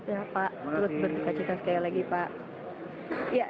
terima kasih pak